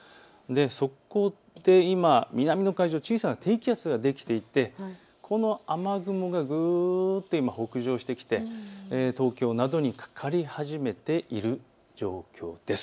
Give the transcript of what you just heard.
そこで今、南の海上小さな低気圧ができていてこの雨雲がぐっと今、北上してきて東京などにかかり始めている状況です。